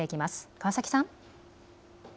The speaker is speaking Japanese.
川崎さん。